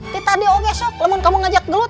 kita di ogs kamu ajak dulu